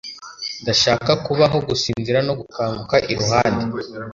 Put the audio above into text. Ndashaka kubaho gusinzir no gukanguka iruhande